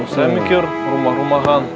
saya mikir rumah rumahan